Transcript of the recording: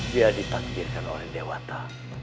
dia ditakdirkan oleh dewata